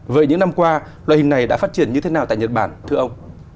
với những năm qua loại hình này đã phát triển như thế nào tại nhật bản